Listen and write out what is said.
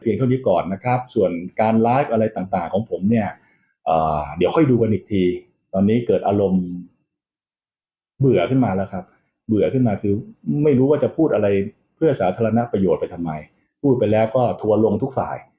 เพียงเท่านี้ก่อนนะครับส่วนการไลฟ์อะไรต่างของผมเนี่ยเดี๋ยวค่อยดูกันอีกที